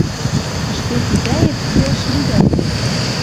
Ӹшке кидӓэт йӱӓш лӱдӓт тӹнь...»